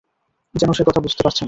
যেন সে কথা বুঝতে পারছে না।